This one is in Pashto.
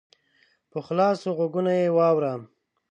په خلاصو غوږو یې واوره !